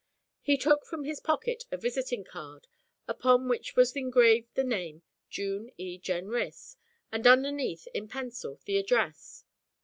He took from his pocket a visiting card, upon which was engraved the name June E. Jenrys, and underneath in pencil the address.